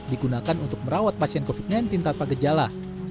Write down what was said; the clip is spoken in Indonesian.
digunakan untuk merawat pasien covid sembilan belas tanpa gejala